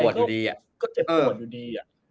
มันก็เจ็บปวดอยู่ดีอะ